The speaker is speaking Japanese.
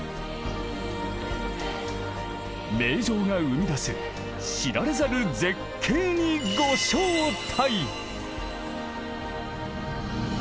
名城が生み出す知られざる絶景にご招待！